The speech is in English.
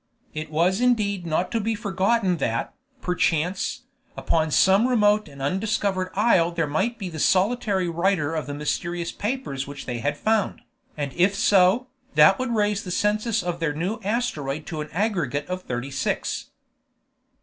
It was indeed not to be forgotten that, perchance, upon some remote and undiscovered isle there might be the solitary writer of the mysterious papers which they had found, and if so, that would raise the census of their new asteroid to an aggregate of thirty six.